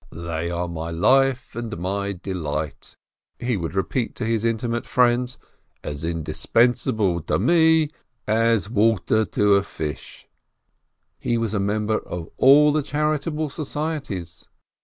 "They are my life and my delight," he would repeat to his intimate friends, "as indispensable to me as water EEB SHLOIMEH 333 to a fish." He was a member of all the charitable societies.